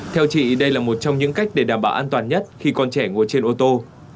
theo chị đây là một trong những cách để đảm bảo an toàn nhất khi con trẻ ngồi trên ô tô